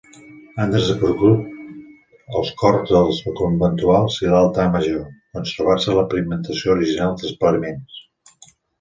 Han desaparegut els cors dels conventuals i l'altar major, conservant-se la pigmentació original dels paraments.